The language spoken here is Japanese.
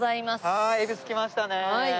はーい恵比寿来ましたね。